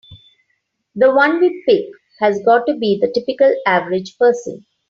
The one we pick has gotta be the typical average person.